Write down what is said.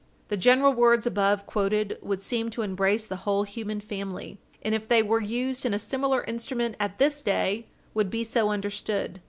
The general words above quoted would seem to embrace the whole human family, and if they were used in a similar instrument at this day would be so understood.